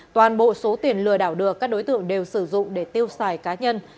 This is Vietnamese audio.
toàn bộ số tiền lừa đảo được các đối tượng đều sử dụng để tiêu xài cá nhân